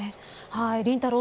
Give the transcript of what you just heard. りんたろー。